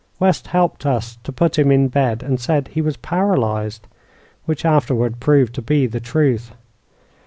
West helped us to put him in bed, and said he was paralyzed, which afterward proved to be the truth.